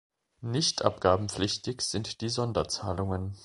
Nicht abgabenpflichtig sind die Sonderzahlungen.